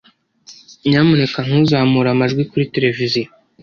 Nyamuneka ntuzamure amajwi kuri tereviziyo.